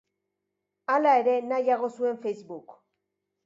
Hala ere, nahiago zuen Facebook.